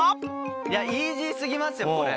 イージー過ぎますよこれ。